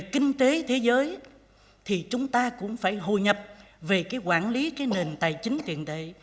kinh tế thế giới thì chúng ta cũng phải hồi nhập về cái quản lý cái nền tài chính tiền tệ